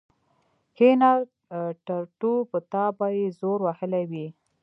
کېنه ټرتو په تا به يې زور وهلی وي.